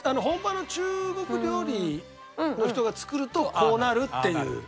本場の中国料理の人が作るとこうなるっていう。